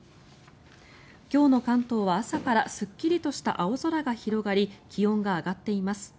今日の関東は朝からすっきりとした青空が広がり気温が上がっています。